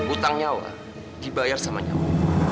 utang nyawa dibayar sama nyawa